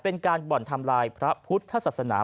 เป็นการบ่อนทำลายพระพุทธศาสนา